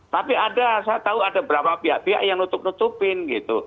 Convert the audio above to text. tapi ada saya tahu ada berapa pihak pihak yang nutup nutupin gitu